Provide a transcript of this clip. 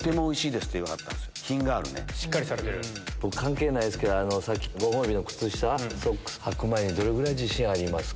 僕関係ないですけどさっき５本指の靴下はく前に「どれぐらい自信ありますか？」